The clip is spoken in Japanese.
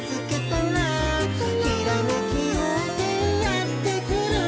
「ひらめきようせいやってくる」